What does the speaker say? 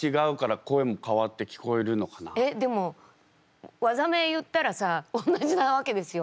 えっでも技名言ったらさ同じなわけですよ。